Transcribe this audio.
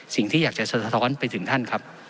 สิ่งที่อยากจะสะท้อนไปถึงท่านครับ